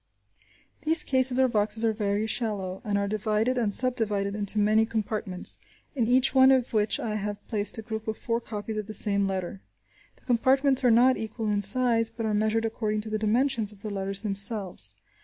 These cases or boxes are very shallow, and are divided and subdivided into many compartments, in each one of which I have placed a group of four copies of the same letter. The compartments are not equal in size, but are measured according to the dimensions of the letters themselves.